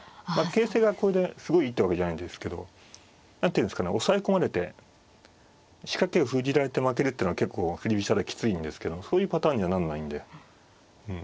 形勢がこれですごいいいってわけじゃないんですけど何ていうんですかね押さえ込まれて仕掛けを封じられて負けるってのは結構振り飛車できついんですけどそういうパターンにはなんないんで。